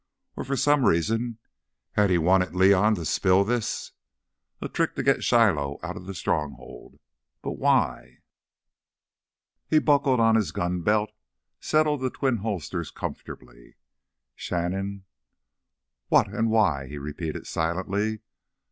Or for some reason had he wanted León to spill this? A trick to get Shiloh out of the Stronghold? But why? He buckled on his gun belt, settled the twin holsters comfortably. Shannon—what and why, he repeated silently.